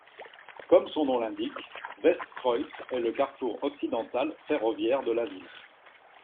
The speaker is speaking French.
Comme son nom l'indique, Westkreuz est le carrefour occidental ferroviaire de la ville.